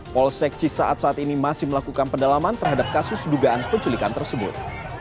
pol sekci saat saat ini masih melakukan pendalaman terhadap kasus dugaan penculikan tersebut